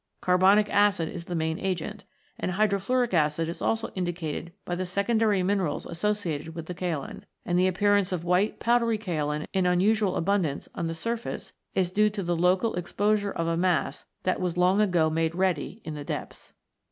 .Carbonic acid is the main agent, and hydrofluoric acid is also indicated by the secondary minerals associated with the kaolin; and the appearance of white powdery kaolin in unusual abundance on the surface is due to the local ex posure of a mass that was long ago made ready in the depths.